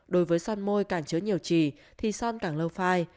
đối với son môi càng chứa nhiều chỉ thì son càng lâu phai